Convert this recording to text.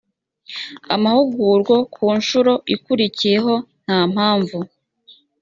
amahugurwa ku nshuro ikurikiyeho nta mpamvu